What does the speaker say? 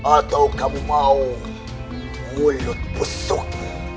atau kamu mau mulut busuk